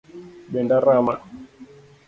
Denda rama